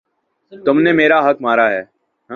تم نے میرا حق مارا ہے